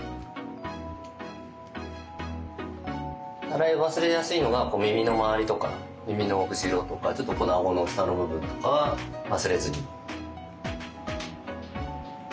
洗い忘れやすいのが耳のまわりとか耳のうしろとかちょっとこの顎の下の部分とか忘れずに。